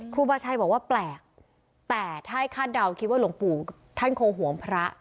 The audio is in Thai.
ครูบาชัยบอกว่าแปลกแต่ถ้าให้คาดเดาคิดว่าหลวงปู่ท่านคงหวงพระ